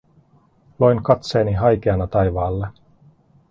Loin katseeni haikeana taivaalle.